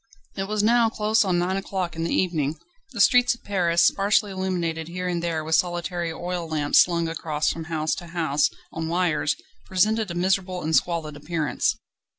It was now close on nine o'clock in the evening. The streets of Paris, sparsely illuminated here and there with solitary oil lamps swung across from house to house on wires, presented a miserable and squalid appearance.